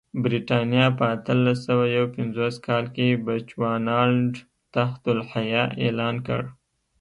برېټانیا په اتلس سوه یو پنځوس کال کې بچوانالنډ تحت الحیه اعلان کړ.